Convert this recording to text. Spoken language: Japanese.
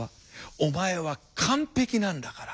「お前は完璧なんだから」